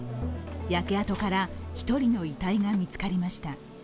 焼け跡から１人の遺体が見つかりました。